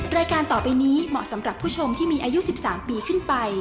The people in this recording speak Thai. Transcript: รายการต่อไปนี้เหมาะสำหรับผู้ชมที่มีอายุ๑๓ปีขึ้นไป